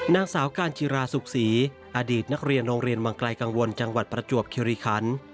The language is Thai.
นางสาวการจิราสุขศรีอดีตนักเรียนโรงเรียนวังไกลกังวลจังหวัดประจวบคิริคัน